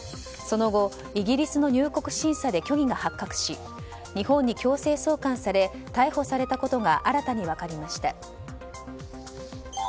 その後、イギリスの入国審査で虚偽が発覚し日本に強制送還され逮捕されたことが新たに分かりました。